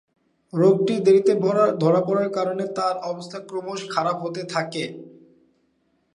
রোগটি দেরিতে ধরা পড়ার কারণে তার অবস্থা ক্রমশ খারাপ হতে থাকে।